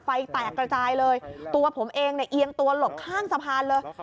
แตกระจายเลยตัวผมเองเนี่ยเอียงตัวหลบข้างสะพานเลย